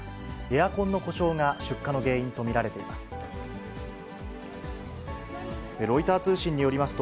エアコンの故障が出火の原因と見られています。